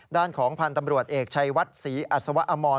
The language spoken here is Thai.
ด้านของพันธ์ตำรวจเอกชัยวัดศรีอัศวะอมร